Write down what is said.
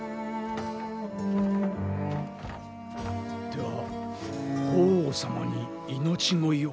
では法皇様に命乞いを？